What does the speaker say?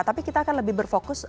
tapi kita akan lebih berfokus